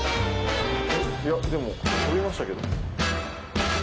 いやでも飛びましたけど。